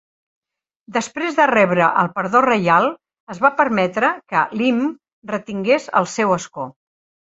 Després de rebre el perdó reial, es va permetre que Lim retingués el seu escó.